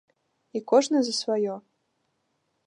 І кожны за сваё.